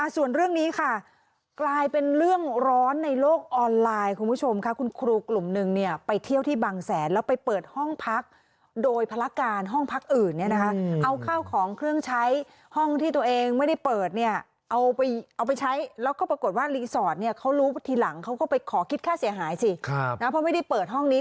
ส่วนเรื่องนี้ค่ะกลายเป็นเรื่องร้อนในโลกออนไลน์คุณผู้ชมค่ะคุณครูกลุ่มหนึ่งเนี่ยไปเที่ยวที่บางแสนแล้วไปเปิดห้องพักโดยภารการห้องพักอื่นเนี่ยนะคะเอาข้าวของเครื่องใช้ห้องที่ตัวเองไม่ได้เปิดเนี่ยเอาไปเอาไปใช้แล้วก็ปรากฏว่ารีสอร์ทเนี่ยเขารู้ทีหลังเขาก็ไปขอคิดค่าเสียหายสินะเพราะไม่ได้เปิดห้องนี้